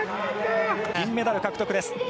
銀メダル獲得です。